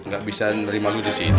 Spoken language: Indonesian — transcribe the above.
gak bisa nerima lu disini